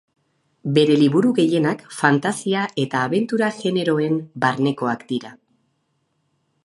Bere liburu gehienak fantasia eta abentura generoen barnekoak dira.